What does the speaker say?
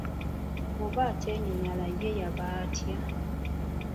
Oba atenyinyala ye yaba atya!